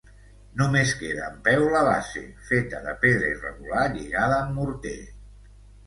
Només queda en peu la base, feta de pedra irregular lligada amb morter.